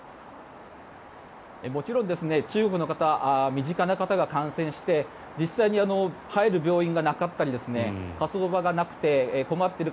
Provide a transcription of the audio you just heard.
もちろん中国の方身近な方が感染して実際に入る病院がなかったり火葬場がなくて困っている方